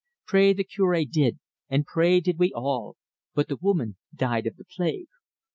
Pray the Cure did, an' pray did we all, but the woman died of the plague.